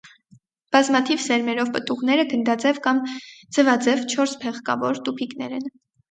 Բազմաթիվ սերմերով պտուղները գնդաձև կամ ձվաձև չորսփեղկավոր տուփիկներ են։